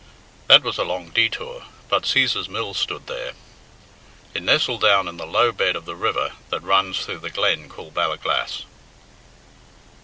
That was a long detour, but Cæsar's mill stood there. It nestled down in the low bed of the river that runs through the glen called Ballaglass.